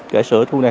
để sửa thu này